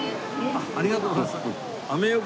ありがとうございます。